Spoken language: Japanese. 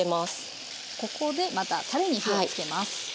ここでまたたれに火をつけます。